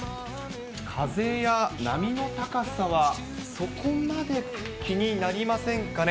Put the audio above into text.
風や波の高さはそこまで気になりませんかね。